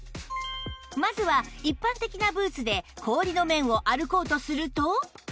まずは一般的なブーツで氷の面を歩こうとすると